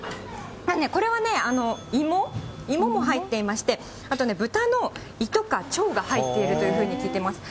これはね、芋、芋も入っていまして、あとね、豚の胃とか腸が入っているというふうに聞いています。